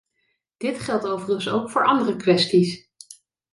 Dit geldt overigens ook voor andere kwesties.